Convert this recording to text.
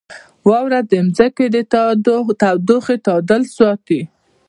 • واوره د ځمکې د تودوخې تعادل ساتي.